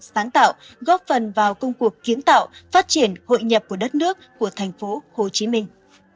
sáng tạo góp phần vào công cuộc kiến tạo phát triển hội nhập của đất nước của thành phố hồ chí minh